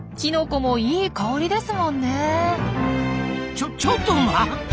ちょちょっと待った！